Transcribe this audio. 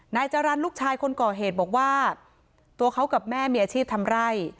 นายจรรย์ลูกชายคนก่อเหตุบอกว่าตัวเขากับแม่มีอาชีพทำไร่